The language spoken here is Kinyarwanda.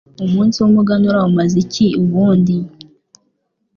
umunsi w’umuganura umaze iki ubundi